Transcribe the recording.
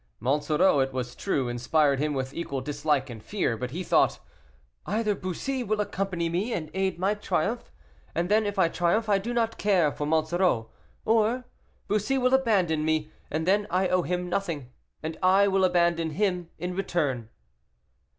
Monsoreau, it was true, inspired him with equal dislike and fear, but he thought, "Either Bussy will accompany me and aid my triumph, and then if I triumph, I do not care for Monsoreau, or Bussy will abandon me, and then I owe him nothing, and I will abandon him in return."